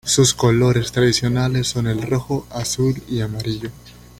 Sus colores tradicionales son el rojo, azul y amarillo.